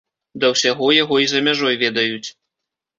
Да ўсяго, яго і за мяжой ведаюць.